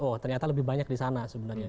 oh ternyata lebih banyak di sana sebenarnya